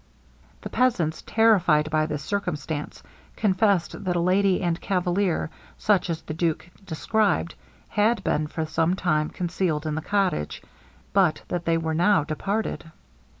The peasants, terrified by this circumstance, confessed that a lady and cavalier, such as the duke described, had been for some time concealed in the cottage; but that they were now departed.